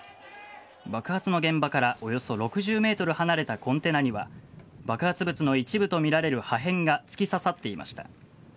爆発の現場からおよそ６０ｍ離れたコンテナには爆発物の一部とみられる破片が突き刺さっていました。